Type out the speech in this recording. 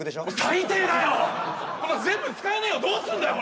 最低だよ全部使えねえよどうすんだよ